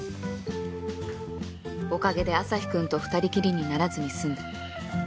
おかげでアサヒくんと２人きりにならずに済んだ